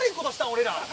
俺ら。